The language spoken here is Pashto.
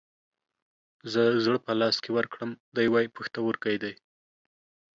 زه زړه په لاس کې ورکړم ، دى واي پښتورگى دى.